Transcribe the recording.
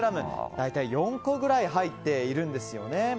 大体４個くらい入っているんですよね。